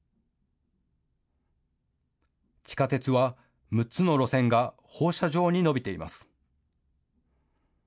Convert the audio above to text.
地下鉄は６つの路線が放射状に伸びています。